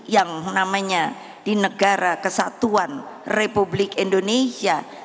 yang namanya di negara kesatuan republik indonesia